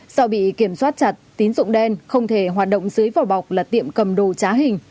do bị kiểm soát chặt tín dụng đen không thể hoạt động dưới vỏ bọc là tiệm cầm đồ trá hình